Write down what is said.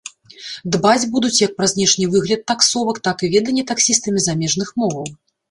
Дбаць будуць як пра знешні выгляд таксовак, так і веданне таксістамі замежных моваў.